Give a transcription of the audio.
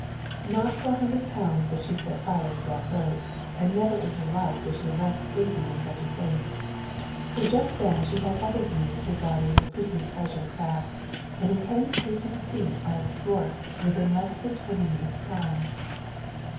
Not for a hundred pounds would she set fire to that boat, and never in her life was she less thinking of such a thing. For just then she has other views regarding the pretty pleasure craft, and intends taking seat on its thwarts within less than twenty minutes' time.